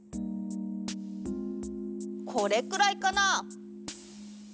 これくらいかな？